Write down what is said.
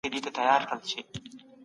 زرلښته